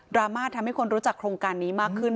รามาทำให้คนรู้จักโครงการนี้มากขึ้น